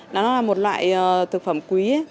nó là một loại thực phẩm quý